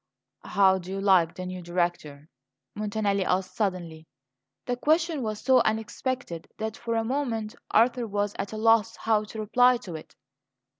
"How do you like the new Director?" Montanelli asked suddenly. The question was so unexpected that, for a moment, Arthur was at a loss how to reply to it.